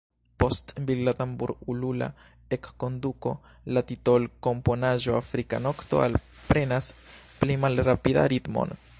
Post vigla tambur-ulula enkonduko, la titolkomponaĵo Afrika nokto alprenas pli malrapidan ritmon.